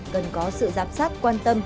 cần có sự giám sát quan tâm